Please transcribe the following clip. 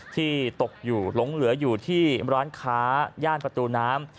ที่ตกอยู่หลงเหลืออยู่ที่ร้านค้าย่านประตูน้ำ